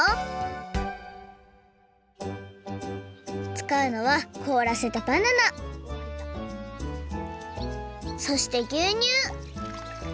つかうのはこおらせたバナナそしてぎゅうにゅう